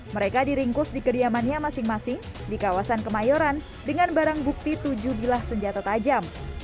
mereka diringkus di kediamannya masing masing di kawasan kemayoran dengan barang bukti tujuh bilah senjata tajam